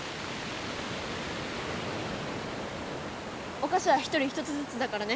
おかしは１人１つずつだからね。